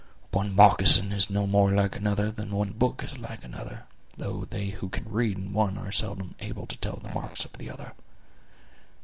One moccasin is no more like another than one book is like another: though they who can read in one are seldom able to tell the marks of the other.